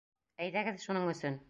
Әйҙәгеҙ шуның өсөн!